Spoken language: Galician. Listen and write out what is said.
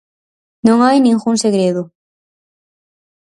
Non hai ningún segredo.